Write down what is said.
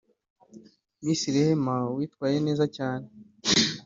Miss Rehema witwaye neza cyane